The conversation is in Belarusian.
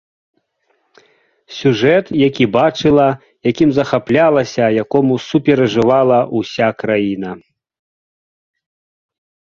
Сюжэт, які бачыла, якім захаплялася, якому суперажывала ўся краіна.